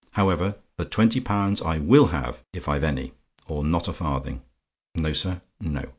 However, the twenty pounds I WILL have, if I've any or not a farthing. No, sir, no.